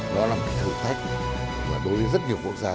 nó là một thử thách và đối với rất nhiều quốc gia